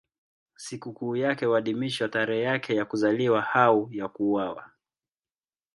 Sikukuu yake huadhimishwa tarehe yake ya kuzaliwa au ya kuuawa.